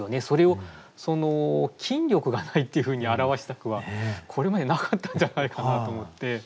それを筋力が無いっていうふうに表した句はこれまでなかったんじゃないかなと思って。